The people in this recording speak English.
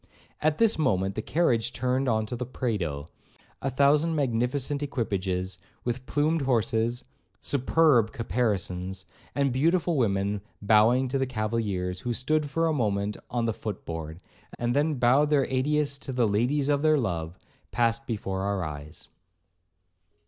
At this moment the carriage turned into the Prado; a thousand magnificent equipages, with plumed horses, superb caparisons, and beautiful women bowing to the cavaliers, who stood for a moment on the foot board, and then bowed their adieus to the 'ladies of their love,' passed before our eyes.